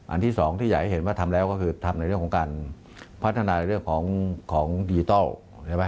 ที่สองที่อยากให้เห็นว่าทำแล้วก็คือทำในเรื่องของการพัฒนาในเรื่องของดิจิทัลใช่ไหม